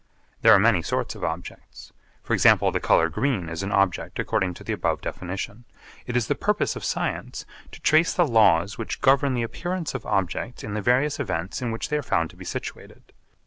There are many sorts of objects. For example, the colour green is an object according to the above definition. It is the purpose of science to trace the laws which govern the appearance of objects in the various events in which they are found to be situated.